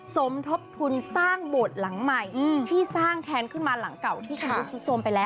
สมทบทุนสร้างโบสถ์หลังใหม่ที่สร้างแทนขึ้นมาหลังเก่าที่ชำรุดสุดโทรมไปแล้ว